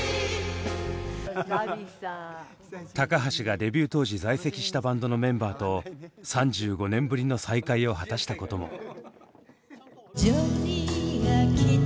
橋がデビュー当時在籍したバンドのメンバーと３５年ぶりの再会を果たしたことも。